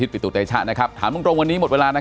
ซึ่งทำเป็นนิฉันแล้วครับ